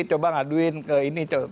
coba ngaduin ke ini